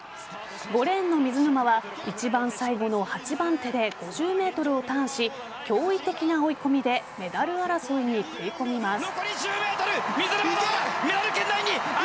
５レーンの水沼は一番最後の８番手で５０ｍをターンし驚異的な追い込みでメダル争いに食い込みます。